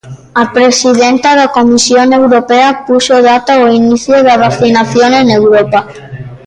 A presidenta da Comisión Europea puxo data ao inicio da vacinación en Europa.